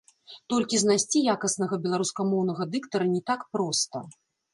Толькі знайсці якаснага беларускамоўнага дыктара не так проста.